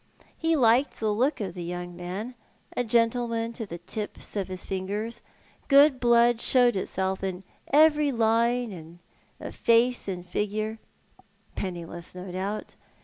He liked the look of the young man — a gentleman to the tips of his fingers — good blood showed itself in every line of face and figure — penniless, no doubt.